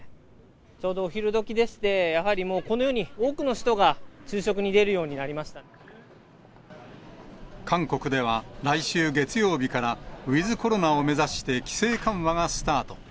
ちょうどお昼時でして、やはりもう、このように多くの人が昼食に韓国では来週月曜日から、ウィズコロナを目指して、規制緩和がスタート。